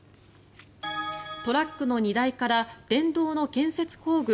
トラックの荷台から電動の建設工具